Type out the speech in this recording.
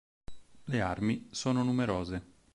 Le armi sono numerose.